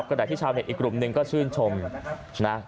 ขณะที่ชาวเน็ตอีกกลุ่มหนึ่งก็ชื่นชมนะ